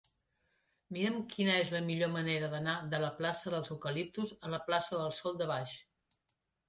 Mira'm quina és la millor manera d'anar de la plaça dels Eucaliptus a la plaça del Sòl de Baix.